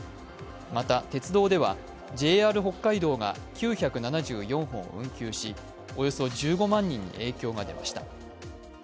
また、鉄道では、ＪＲ北海道が９７４本運休し、およそ１５万人に影響が出ました。